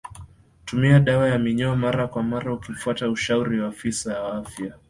Tumia dawa ya minyoo mara kwa mara ukifuata ushauri wa afisa wa afya